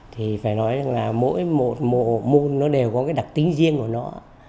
thì phải nói rằng là mỗi một bộ môn nó đều có cái đặc tính riêng của nó